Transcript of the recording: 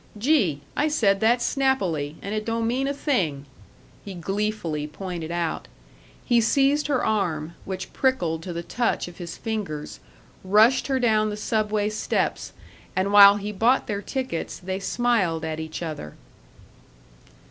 Gee! I said that snappily, and it don't mean a thing!" he gleefully pointed out. He seized her arm, which prickled to the touch of his fingers, rushed her down the Subway steps, and while he bought their tickets they smiled at each other.